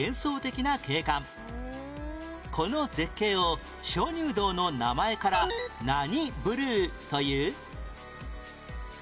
この絶景を鍾乳洞の名前から何ブルーという？